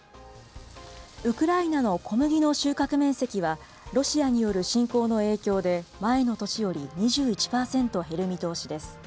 ウクライナの小麦の収穫面積は、ロシアによる侵攻の影響で、前の年より２１％減る見通しです。